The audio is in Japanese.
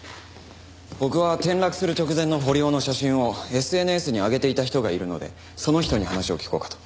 僕は転落する直前の堀尾の写真をＳＮＳに上げていた人がいるのでその人に話を聞こうかと。